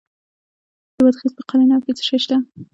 د بادغیس په قلعه نو کې څه شی شته؟